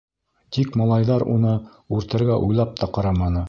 Тик малайҙар уны үртәргә уйлап та ҡараманы.